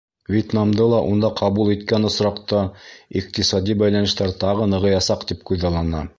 Вьетнамды ла унда ҡабул иткән осраҡта иҡтисади бәйләнештәр тағы нығыясаҡ тип күҙаллана.